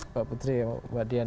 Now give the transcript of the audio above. mbak putri mbak dian